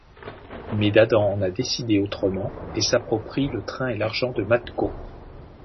Mais Dadan en a décidé autrement et s’approprie le train et l’argent de Matko.